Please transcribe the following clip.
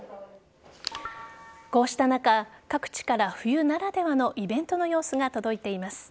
こうした中、各地から冬ならではのイベントの様子が届いています。